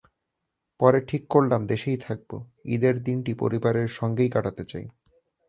পরে ঠিক করলাম দেশেই থাকব, ঈদের দিনটি পরিবারের সঙ্গেই কাটাতে চাই।